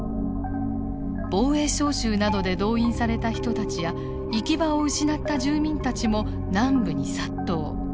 防衛召集などで動員された人たちや行き場を失った住民たちも南部に殺到。